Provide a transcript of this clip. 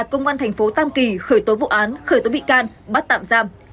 cơ quan thành phố tam kỳ khởi tố vụ án khởi tố bị can bắt tạm giam